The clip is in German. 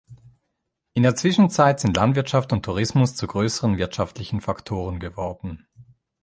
In der Zwischenzeit sind Landwirtschaft und Tourismus zu größeren wirtschaftlichen Faktoren geworden.